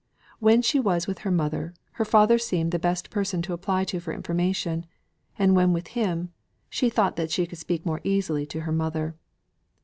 When she was with her mother, her father seemed the best person to apply to for information; and when with him, she thought that she could speak more easily to her mother.